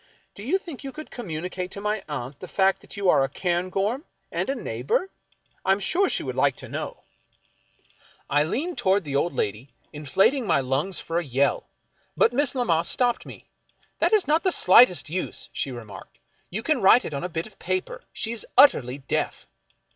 " Do you think you could com municate to my aunt the fact that you are a Cairngorm and a neighbor? I am sure she would like to know, 34 >> F. Marion Cratvford I leaned toward the old lady, inflating my lungs for a yell. But Miss Lammas stopped me. " That is not of the slightest use," she remarked. " You can write it on a bit of paper. She is utterly deaf."